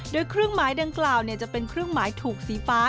โดยเครื่องหมายดังกล่าวจะเป็นเครื่องหมายถูกสีฟ้า